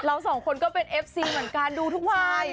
สองคนก็เป็นเอฟซีเหมือนกันดูทุกวัย